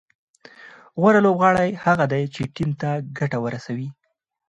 غوره لوبغاړی هغه دئ، چي ټیم ته ګټه ورسوي.